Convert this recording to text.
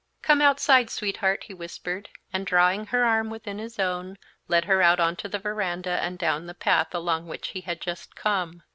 "Come outside, sweetheart," he whispered, and drawing her arm within his own led her out onto the veranda and down the path along which he had just come.